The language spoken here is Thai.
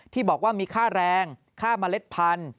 ที่บอกว่ามีค่าแรงค่าเมล็ดพันธุ